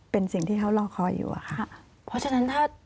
เป็นสิ่งที่เขาลอกคอยอยู่